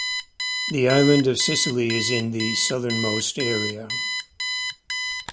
The island Sicily is in the southernmost area.